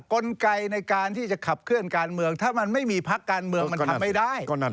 กลไกในการที่จะขับเคลื่อนการเมืองถ้ามันไม่มีพักการเมืองมันทำไม่ได้